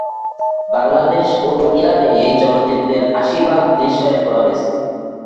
বাংলাদেশ ও ইরানে এই চলচ্চিত্রের আশি ভাগ দৃশ্যায়ন করা হয়েছে।